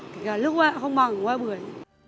kể cả nước hoa không bằng hoa bưởi